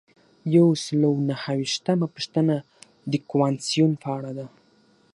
یو سل او نهه ویشتمه پوښتنه د کنوانسیون په اړه ده.